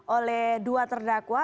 oleh dua terdakwa